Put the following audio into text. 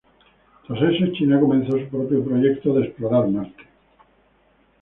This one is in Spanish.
Tras eso, China comenzó su propio proyecto de explorar Marte.